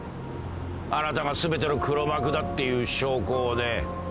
あなたが全ての黒幕だっていう証拠をね。